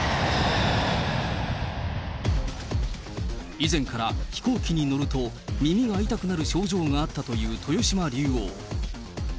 以前から飛行機に乗ると耳が痛くなる症状があったという豊島竜王。